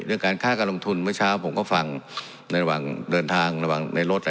เรื่องการฆ่าการลงทุนเมื่อเช้าผมก็ฟังในระหว่างเดินทางระหว่างในรถ